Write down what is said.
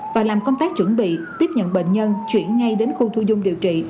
và làm công tác chuẩn bị tiếp nhận bệnh nhân chuyển ngay đến khu thu dung điều trị